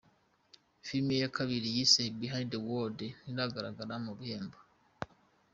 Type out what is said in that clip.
Filime ye ya kabiri yise “Behind The Word” ntiragaragara mu bihembo.